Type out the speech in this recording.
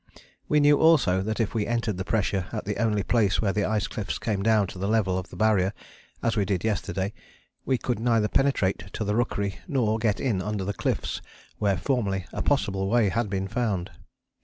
We knew also that if we entered the pressure at the only place where the ice cliffs came down to the level of the Barrier, as we did yesterday, we could neither penetrate to the rookery nor get in under the cliffs where formerly a possible way had been found.